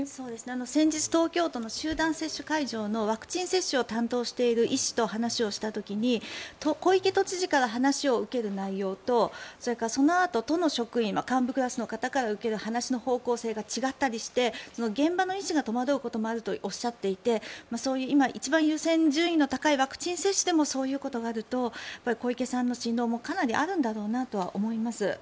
先日東京都の集団接種会場のワクチン接種を担当している医師と話をした時に小池都知事から話を受ける内容とそれからそのあと都の職員、幹部クラスの方から受ける話の方向性が違ったりして現場の医師が戸惑うこともあるとおっしゃっていてそういう今、一番優先順位の高いワクチン接種でもそういうことがあると小池さんの心労もかなりあるんだろうなとは思います。